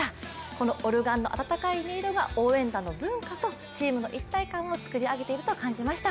このオルガンの温かい音色が応援団の文化とチームの一体感を作り上げていると感じました。